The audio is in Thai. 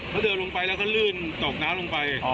เขาเดินลงไปแล้วก็ลื่นตกน้ำลงไป